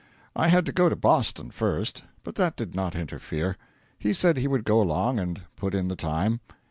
I had to go to Boston first, but that did not interfere; he said he would go along and put in the time.